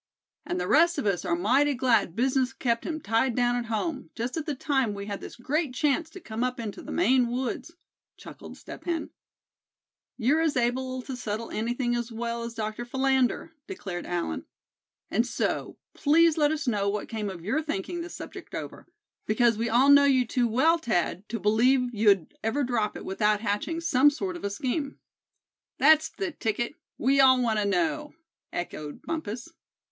"And the rest of us are mighty glad business kept him tied down at home, just at the time we had this great chance to come up into the Maine woods," chuckled Step Hen. "You're as able to settle anything as well as Dr. Philander," declared Allan. "And so, please let us know what came of your thinking this subject over; because we all know you too well, Thad, to believe you'd ever drop it without hatching out some sort of a scheme." "That's the ticket; we all want to know," echoed Bumpus.